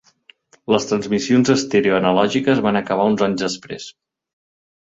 Les transmissions estèreo analògiques van acabar uns anys després.